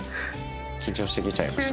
緊張してきちゃいました。